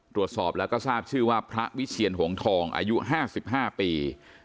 ตรวจสอบแล้วก็ทราบชื่อว่าพระวิเชียนหงทองอายุ๕๕ปี